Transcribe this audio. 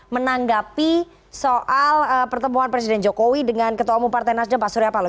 menanggapi soal pertemuan presiden jokowi dengan ketua umum partai nasdem pak surya paloh